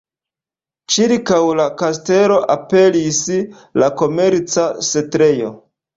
Ĉirkaŭ la kastelo aperis la komerca setlejo.